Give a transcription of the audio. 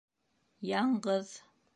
Яңғыҙ!